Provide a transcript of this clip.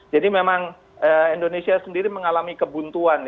jadi memang indonesia sendiri mengalami kebuntuan